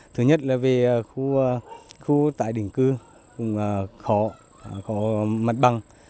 thứ nhất là về khu tải đỉnh cư cũng khó mặt bằng